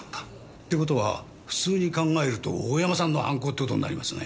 って事は普通に考えると大山さんの犯行って事になりますね。